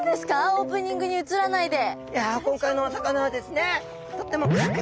オープニングに映らないで！